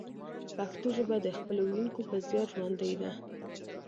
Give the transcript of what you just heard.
پښتو ژبه د خپلو ویونکو په زیار ژوندۍ ده